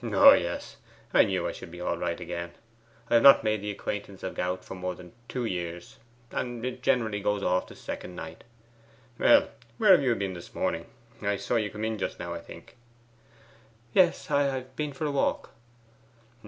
'Oh yes; I knew I should soon be right again. I have not made the acquaintance of gout for more than two years, and it generally goes off the second night. Well, where have you been this morning? I saw you come in just now, I think!' 'Yes; I have been for a walk.